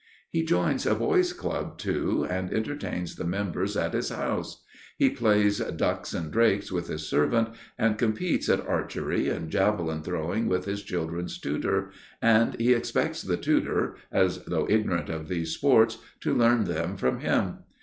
He joins a boys' club too, and entertains the members at his house; he plays "ducks and drakes" with his servant, and competes at archery and javelin throwing with his children's tutor, and he expects the tutor, as though ignorant of these sports, to learn them from him.